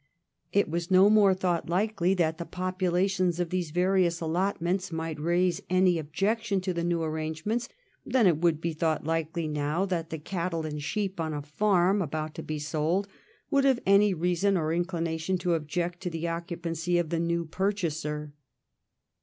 It was no more thought likely that the populations of these various allotments might raise any objection to the new arrangements than it would be thought likely now that the cattle and sheep on a farm about to be sold would have any reason or any inclination to object to the occu pancy of the new purchaser.